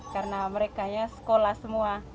karena mereka sekolah semua